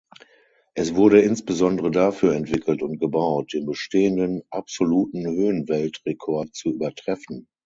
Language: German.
Es wurde insbesondere dafür entwickelt und gebaut, den bestehenden absoluten Höhenweltrekord zu übertreffen.